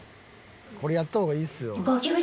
これやった方がいいですよ。